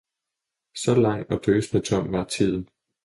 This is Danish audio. Saa lang og døsende tom var Tiden.